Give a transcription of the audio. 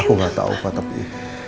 aku gak tau pak tapi